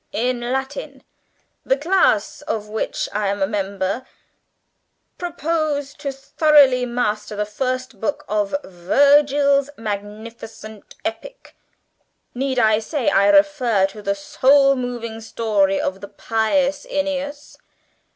"In Latin, the class of which I am a member propose to thoroughly master the first book of Virgil's magnificent Epic, need I say I refer to the soul moving story of the Pious Æneas?"